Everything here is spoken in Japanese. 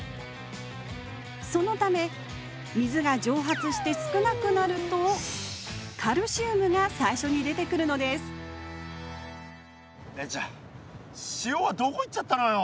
そのため水が蒸発して少なくなるとカルシウムが最初に出てくるのですじゃあ塩はどこ行っちゃったのよ？